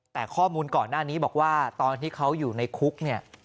แต่ข้อมูลก่อนหน้านี้บอกว่าตอนที่เขาอยู่ในคุกเนี่ย